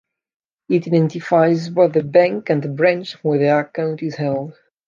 It identifies both the bank and the branch where the account is held.